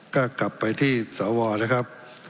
ก็กลับไปที่สวนะครับ